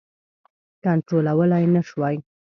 کنټرولولای نه شوای.